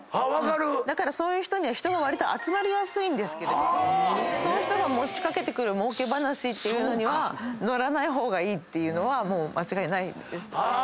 だからそういう人は人がわりと集まりやすいんですけどそういう人が持ち掛けてくるもうけ話っていうのには乗らない方がいいっていうのは間違いないですね。